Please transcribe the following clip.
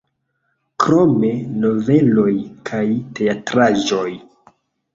Krome noveloj kaj teatraĵoj.